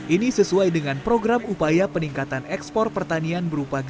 ini sesuai dengan program upaya peningkatan ekspor pertanian berupa ganja